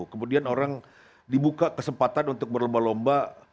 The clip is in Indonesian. kemudian orang dibuka kesempatan untuk berlomba lomba